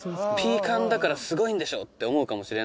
ピーカンだからすごいんでしょって思うかもしれないですけど。